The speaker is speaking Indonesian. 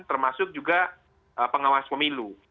termasuk juga pengawas pemilu